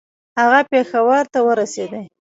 هغه پېښور ته ورسېدی.